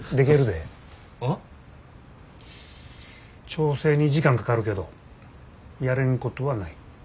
調整に時間かかるけどやれんことはない。